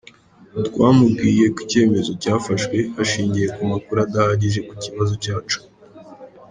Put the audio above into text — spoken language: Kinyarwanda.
Twamubwiye ko icyemezo cyafashwe hashingiwe ku makuru adahagije ku kibazo cyacu.